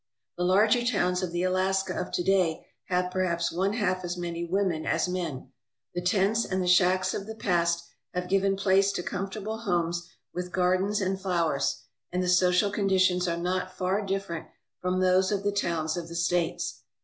The larger towns of the Alaska of to day have perhaps one half as many women as men. The tents and the shacks of the past have given place to comfortable homes with gardens and flowers, and the social conditions are not far different from those of the towns of the States.